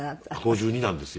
５２なんですよ。